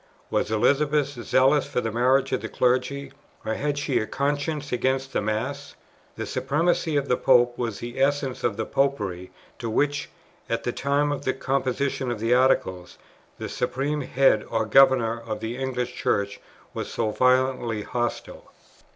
Was Elizabeth zealous for the marriage of the Clergy? or had she a conscience against the Mass? The Supremacy of the Pope was the essence of the "Popery" to which, at the time of the composition of the Articles, the Supreme Head or Governor of the English Church was so violently hostile.